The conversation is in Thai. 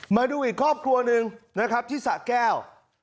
มาดูอีกครอบครัวหนึ่งนะครับที่สะแก้ว